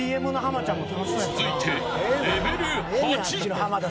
続いてレベル８。